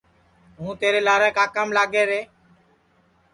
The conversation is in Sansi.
ہوں تیرے لارے کاکام لاگے رے